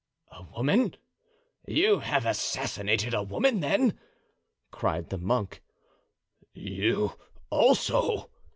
"A woman! You have assassinated a woman, then?" cried the monk. "You also!"